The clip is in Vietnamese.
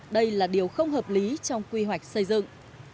đây là điều không hợp lý trong quy hoạch xây dựng